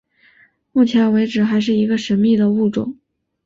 目前为止还是一个神秘的物种。